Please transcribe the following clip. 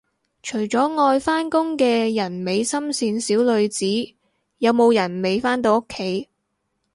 除咗愛返工嘅人美心善小女子，有冇人未返到屋企